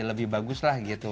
lebih bagus lah gitu